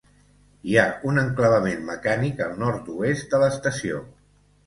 Hi ha un enclavament mecànic al nord-oest de l'estació.